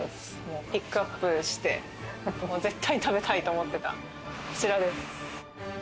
ピックアップして絶対食べたいと思ってた、こちらです。